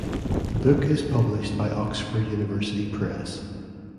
The book is published by Oxford University Press.